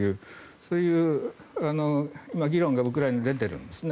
そういう議論がウクライナで出ているんです。